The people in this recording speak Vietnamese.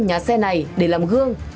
nhà xe này để làm gương